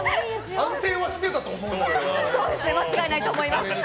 安定はしてたと思うけど。